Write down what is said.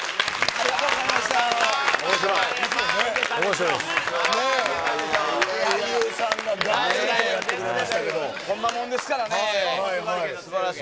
やっありがとうございました。